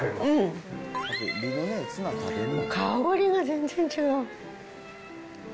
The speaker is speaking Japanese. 香りが全然違う。